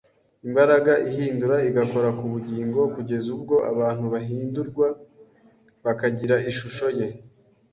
imbaraga ihindura igakora ku bugingo kugeza ubwo abantu bahindurwa bakagira ishusho ye